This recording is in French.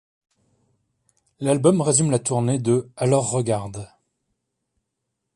L'album résume la tournée de Alors Regarde.